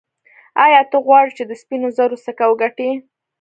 ایا ته غواړې چې د سپینو زرو سکه وګټې.